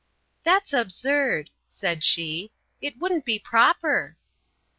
"That's absurd," said she. "It wouldn't be proper."